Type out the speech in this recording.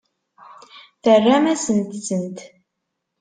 Terram-asent-tent.